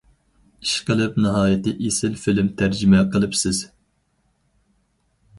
ئىشقىلىپ ناھايىتى ئېسىل فىلىم تەرجىمە قىلىپسىز.